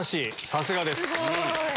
さすがです。